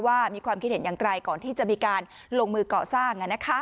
มีความคิดเห็นอย่างไรก่อนที่จะมีการลงมือก่อสร้าง